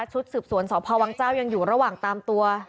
ชุดสืบสวนสพวังเจ้ายังอยู่ระหว่างตามตัว